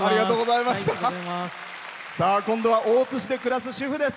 今度は大津市で暮らす主婦です。